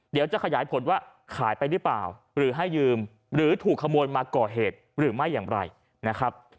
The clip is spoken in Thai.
เดี๋ยวจะขยายผลว่าขายไปหรือเปล่าหรือให้ยืมหรือถูกขโมยมาก่อเหตุหรือไม่อย่างไรนะครับ